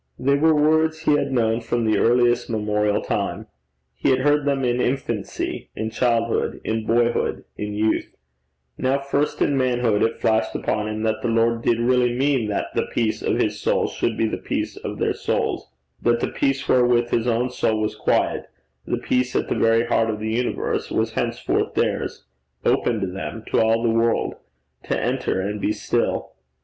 They were words he had known from the earliest memorial time. He had heard them in infancy, in childhood, in boyhood, in youth: now first in manhood it flashed upon him that the Lord did really mean that the peace of his soul should be the peace of their souls; that the peace wherewith his own soul was quiet, the peace at the very heart of the universe, was henceforth theirs open to them, to all the world, to enter and be still.